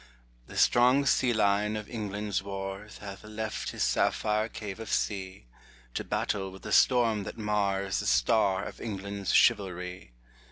The strong sea lion of England's wars Hath left his sapphire cave of sea, To battle with the storm that mars The star of England's chivalry.